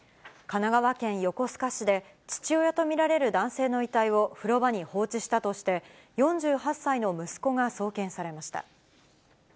神奈川県横須賀市で、父親と見られる男性の遺体を風呂場に放置したとして、４８歳の息子が送検されました。